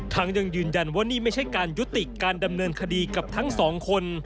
ยังยืนยันว่านี่ไม่ใช่การยุติการดำเนินคดีกับทั้งสองคน